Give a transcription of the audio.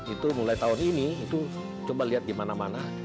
itu mulai tahun ini itu coba lihat di mana mana